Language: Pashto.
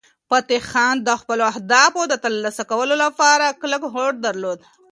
فتح خان د خپلو اهدافو د ترلاسه کولو لپاره کلک هوډ درلود.